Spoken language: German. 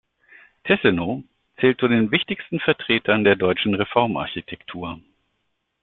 Tessenow zählt zu den wichtigsten Vertretern der deutschen Reformarchitektur.